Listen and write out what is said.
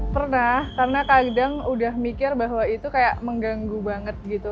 pernah karena kadang udah mikir bahwa itu kayak mengganggu banget gitu